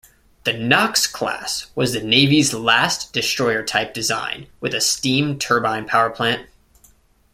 The "Knox" class was the Navy's last destroyer-type design with a steam turbine powerplant.